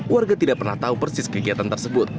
warga tidak pernah tahu persis kegiatan tersebut